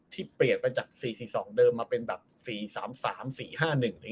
ที่เปลี่ยนไปจาก๔๔๒เดิมมาเป็นแบบ๔๓๓๔๕๑อะไรอย่างนี้